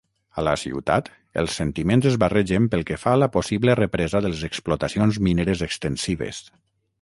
A la ciutat, els sentiments es barregen pel que fa a la possible represa de les explotacions mineres extensives.